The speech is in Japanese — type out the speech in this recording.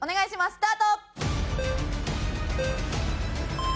スタート！